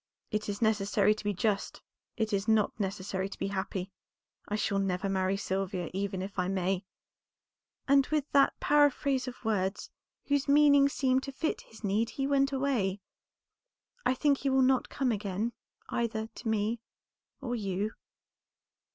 'It is necessary to be just, it is not necessary to be happy. I shall never marry Sylvia, even if I may,' and with that paraphrase of words, whose meaning seemed to fit his need, he went away. I think he will not come again either to me or you."